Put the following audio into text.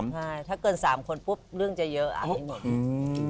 ถ้าเกิน๓คนปุ๊บเรื่องจะเยอะอ่ะพี่หนุ่ม